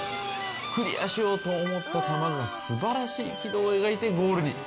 クリアしようと思った球が素晴らしい軌道を描いてゴールに。